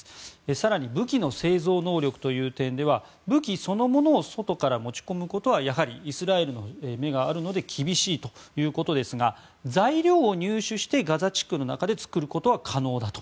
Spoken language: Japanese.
更に、武器の製造能力という点では武器そのものを外から持ち込むことはやはりイスラエルの目があるので厳しいということですが材料を入手してガザ地区の中で作ることは可能だと。